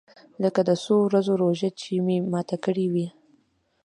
لکه د څو ورځو روژه چې مې ماته کړې وي.